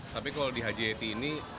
tapi kalau di hjt ini